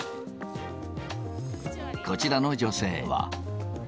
こちらの女性は。